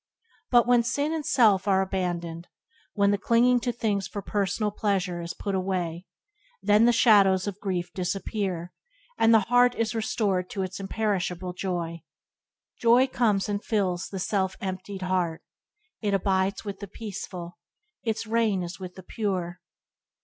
But when sin and self are abandoned, when the clinging to things for personal pleasure is put away, then the shadows of grief disappear, and the heart is restored to its Imperishable Joy. Joy comes and fills the self emptied heart; it abides with the peaceful; its reign is with the pure.